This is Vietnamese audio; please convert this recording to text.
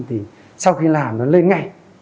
thì sau khi làm nó lên ngay